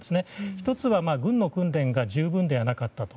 １つは軍の訓練が十分ではなかったと。